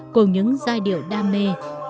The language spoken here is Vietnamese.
cùng những giai điệu đam mê